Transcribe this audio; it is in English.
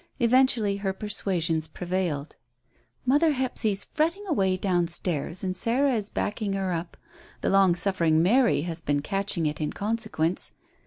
Eventually her persuasions prevailed. "Mother Hephzy's fretting away down stairs and Sarah is backing her up. The long suffering Mary has been catching it in consequence.